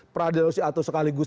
peradilan harus diatur sekaligus